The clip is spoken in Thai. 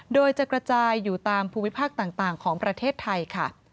โดยจะกระจายอยู่ตามภูมิภาคต่างของประเทศไทยค่ะ